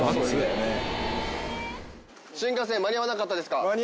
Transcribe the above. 新幹線間に合わなかったですか？